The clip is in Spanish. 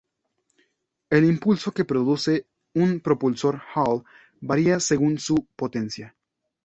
El impulso que produce un propulsor Hall varia según su potencia.